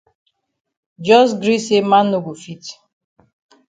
Jos gree say man no go fit.